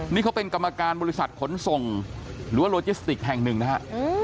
นี่เขาเป็นกรรมการบริษัทขนส่งหรือว่าโลจิสติกแห่งหนึ่งนะฮะ